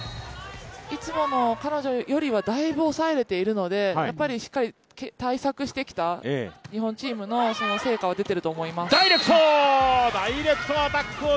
いつもの彼女よりはだいぶ抑えられているのでしっかり対策してきた日本チームの成果は出てると思います。